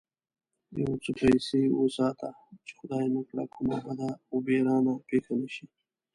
يو څه پيسې وساته چې خدای مکړه کومه بده و بېرانه پېښه نه شي.